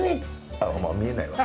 あっ、見えないわ。